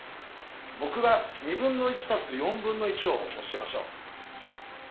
ぼくが1/2たす1/4を教えましょう。